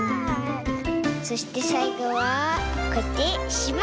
そしてさいごはこうやってしまう！